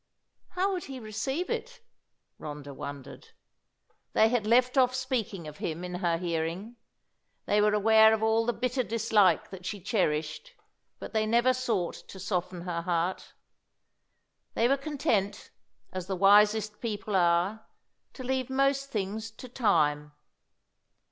How would he receive it? Rhoda wondered. They had left off speaking of him in her hearing. They were aware of all the bitter dislike that she cherished, but they never sought to soften her heart. They were content as the wisest people are to leave most things to time.